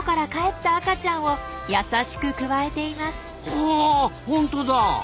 はほんとだ！